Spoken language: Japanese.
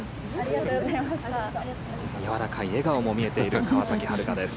やわらかい笑顔も見えている川崎春花です。